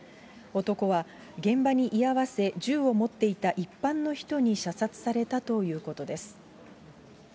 男は、現場に居合わせ銃を持っていた一般の人に射殺されたということです。